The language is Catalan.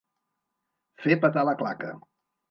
Fer petar la claca.